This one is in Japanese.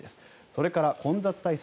それから混雑対策